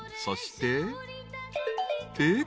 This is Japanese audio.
そして］